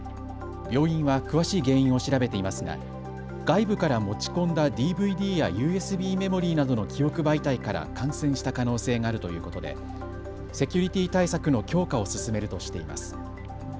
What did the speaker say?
病院は詳しい原因を調べていますが外部から持ち込んだＤＶＤやＵＳＢメモリーなどの記憶媒体から感染した可能性があるということでセキュリティー対策の強化を進めるとしています。